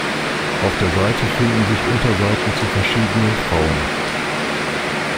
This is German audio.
Auf der Seite finden sich Unterseiten zu verschiedenen Frauen.